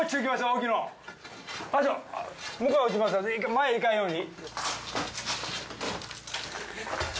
前行かんように。